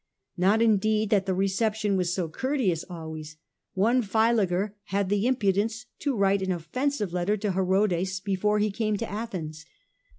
Not indeed that the reception was so courteous always. One Philager had the imprudence to write an offensive letter to H erodes before he came to Athens.